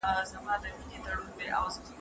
په تيرو وختونو کي تعليمي موخې محدودې وې.